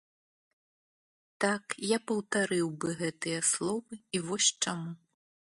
Так, я паўтарыў бы гэтыя словы і вось чаму.